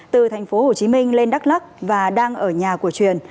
từ tp hcm lên đắk lắc và đang ở nhà của truyền